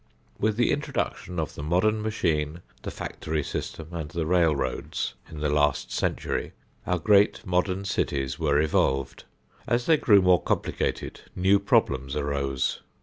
With the introduction of the modern machine, the factory system and the railroads, in the last century, our great modern cities were evolved. As they grew more complicated, new problems arose.